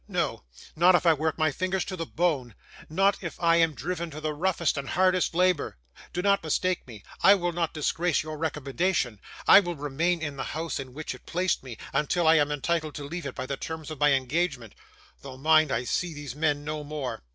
No, not if I work my fingers to the bone, not if I am driven to the roughest and hardest labour. Do not mistake me. I will not disgrace your recommendation. I will remain in the house in which it placed me, until I am entitled to leave it by the terms of my engagement; though, mind, I see these men no more.